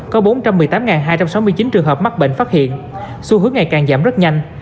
có bốn trăm một mươi tám hai trăm sáu mươi chín trường hợp mắc bệnh phát hiện xu hướng ngày càng giảm rất nhanh